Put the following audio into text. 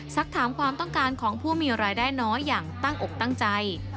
สักถามความต้องการของผู้มีรายได้น้อยอย่างตั้งอกตั้งใจ